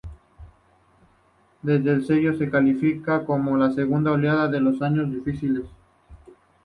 Desde el sello se califica como la segunda oleada de "Los Años Difíciles".